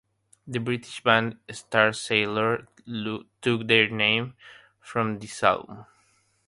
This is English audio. The British band Starsailor took their name from this album.